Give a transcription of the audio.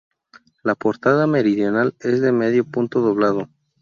La portada meridional es de medio punto doblado.